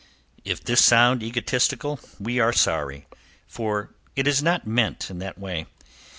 If this sound egotistical we are sorry, for it is not meant in that way.